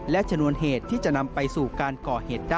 และชนวนเหตุที่จะนำไปสู่การก่อเหตุได้